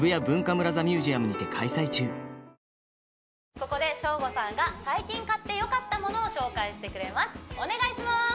ここでショーゴさんが最近買ってよかったものを紹介してくれますお願いします